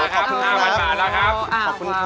ขอบคุณครับ